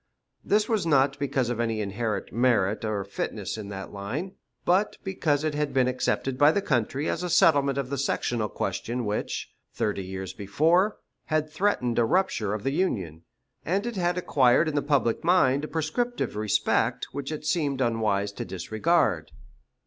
This was not because of any inherent merit or fitness in that line, but because it had been accepted by the country as a settlement of the sectional question which, thirty years before, had threatened a rupture of the Union, and it had acquired in the public mind a prescriptive respect which it seemed unwise to disregard.